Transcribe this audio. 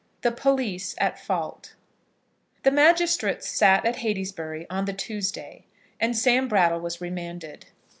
THE POLICE AT FAULT. The magistrates sat at Heytesbury on the Tuesday, and Sam Brattle was remanded.